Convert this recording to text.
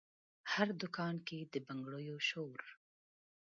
هر دکان کې د بنګړیو شور،